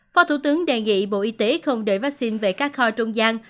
phó thủ tướng đề nghị bộ y tế không để vaccine về các kho trung gian